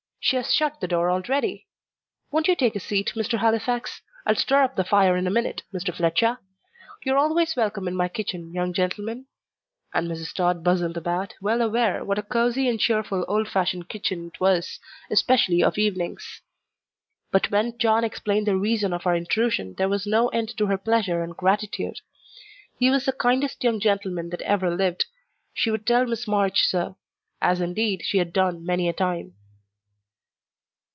she has shut the door already. Won't you take a seat, Mr. Halifax? I'll stir up the fire in a minute, Mr. Fletcher. You are always welcome in my kitchen, young gentlemen." And Mrs. Tod bustled about, well aware what a cosy and cheerful old fashioned kitchen it was, especially of evenings. But when John explained the reason of our intrusion there was no end to her pleasure and gratitude. He was the kindest young gentleman that ever lived. She would tell Miss March so; as, indeed, she had done many a time.